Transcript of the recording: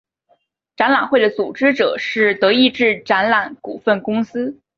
展览会的组织者是德意志展览股份公司。